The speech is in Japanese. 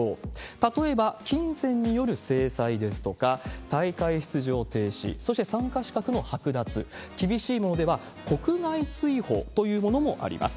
例えば金銭による制裁ですとか、大会出場停止、そして参加資格の剥奪、厳しいものでは国外追放というものもあります。